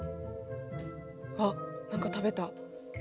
あっ何か食べた。